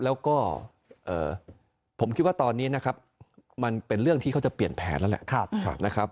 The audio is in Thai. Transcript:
แล้วก็ผมคิดว่าตอนนี้นะครับมันเป็นเรื่องที่เขาจะเปลี่ยนแผนแล้วแหละนะครับ